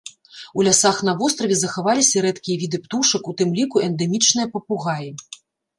У лясах на востраве захаваліся рэдкія віды птушак, у тым ліку эндэмічныя папугаі.